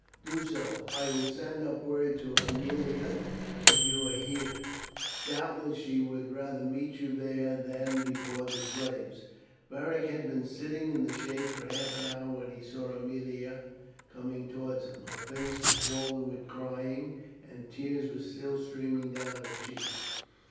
"Do so. I will send up word to Aemilia that you are there. Doubtless she would rather meet you there than before the slaves." Beric had been sitting in the shade for half an hour when he saw Aemilia coming towards him. Her face was swollen with crying, and the tears were still streaming down her cheeks.